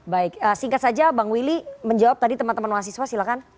baik singkat saja bang willy menjawab tadi teman teman mahasiswa silahkan